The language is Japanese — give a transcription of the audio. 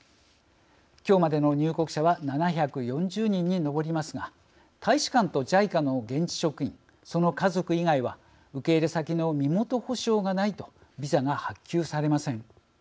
きょうまでの入国者は７４０人に上りますが大使館とＪＩＣＡの現地職員その家族以外は受け入れ先の身元保証がないとビザが発給されません。